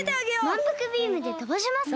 まんぷくビームでとばしますか？